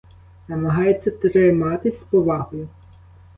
Намагається триматись з повагою.